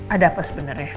ada apa sebenarnya